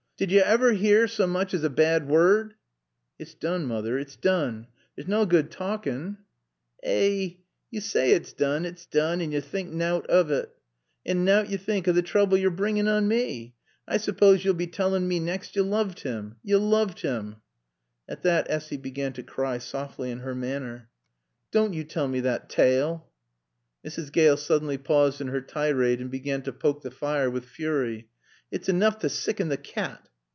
Did yo aver 'ear saw mooch aa a bad woord?" "It's doon, Moother, it's doon. There's naw good taalkin'." "Eh! Yo saay it's doon, it's doon, an' yo think nowt o' 't. An' nowt yo think o' t' trooble yo're brengin' on mae. I sooppawse yo'll be tallin' mae naxt yo looved 'im! Yo looved'im!" At that Essy began to cry, softly, in her manner. "Doan' yo tall mae thot taale." Mrs. Gale suddenly paused in her tirade and began to poke the fire with fury. "It's enoof t' sicken t' cat!"